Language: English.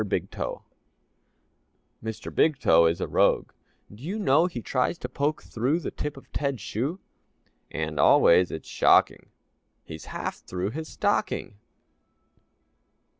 BIG TOE Mr. Big Toe Is a rogue, do you know He tries to poke through The tip of Ted's shoe? And always, it's shocking. He's half through his stocking!